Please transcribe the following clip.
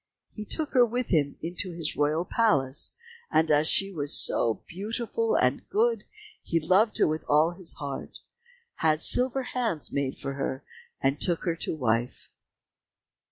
He took her with him into his royal palace, and as she was so beautiful and good, he loved her with all his heart, had silver hands made for her, and took her to wife.